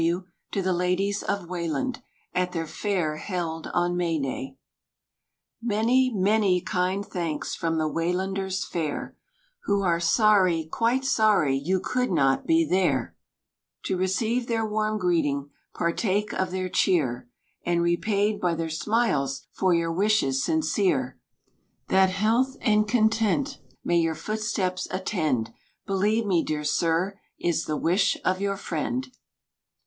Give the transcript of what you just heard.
W. TO THE LADIES OF WAYLAND, AT THEIR FAIR HELD ON MAY DAY. Many, many kind thanks from the Waylanders fair, Who are sorry, quite sorry you could not be there, To receive their warm greeting, partake of their cheer, And repaid by their smiles for your wishes sincere. That health and content may your footsteps attend, Believe me, dear sir, is the wish of your friend.